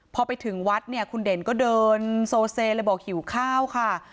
พอไปถึงวัดเนี่ยคุณเด่นก็เดินโซเซเลยบอกหิวข้าวค่ะ